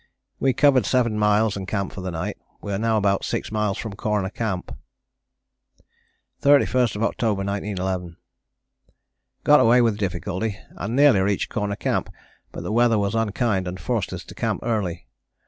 We covered seven miles and camped for the night. We are now about six miles from Corner Camp. "31st October 1911. "Got away with difficulty, and nearly reached Corner Camp, but the weather was unkind and forced us to camp early.